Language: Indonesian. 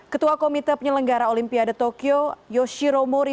ketua komite penyelenggara olimpiade tokyo yoshiro mori